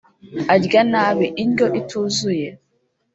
Arya nabi (indyo ituzuye)